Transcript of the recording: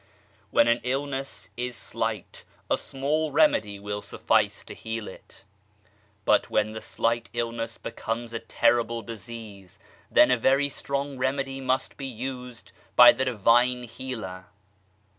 When an illness is slight a small remedy will suffice to heal it, but when the slight illness becomes a terrible disease, then a very strong remedy must be used by the Divine Healer.